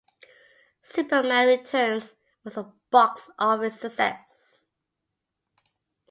"Superman Returns" was a box office success.